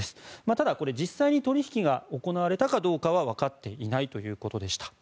ただこれ実際に取引が行われたかどうかはわかっていないということでした。